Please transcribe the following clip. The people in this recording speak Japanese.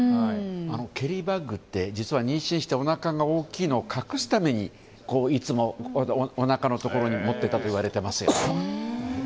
ケリーバッグって実は妊娠しておなかが大きいのを隠すためにいつもおなかのところに持っていたといわれています。